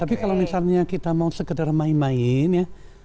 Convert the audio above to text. tapi kalau misalnya kita mau sekedar main main ya